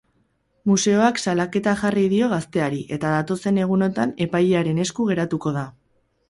Museoak salaketa jarri dio gazteari, eta datozen egunotan epailearen esku geratuko da.